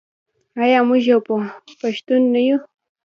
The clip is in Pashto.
آیا موږ یو پښتون نه یو؟